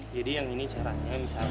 jadi yang ini caranya misalkan